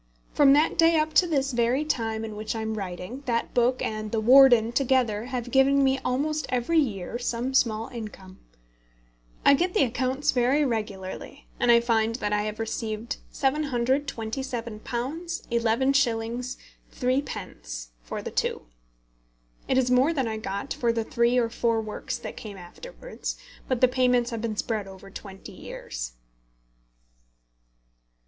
From that day up to this very time in which I am writing, that book and The Warden together have given me almost every year some small income. I get the accounts very regularly, and I find that I have received £727, 11s. 3d. for the two. It is more than I got for the three or four works that came afterwards, but the payments have been spread over twenty years.